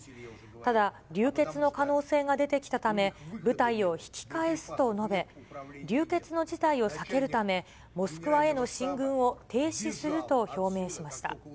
ただ、流血の可能性が出てきたため、部隊を引き返すと述べ、流血の事態を避けるため、モスクワへの進軍を停止すると表明しました。